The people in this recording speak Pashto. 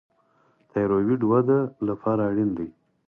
تایرویډ وده لپاره اړین دی.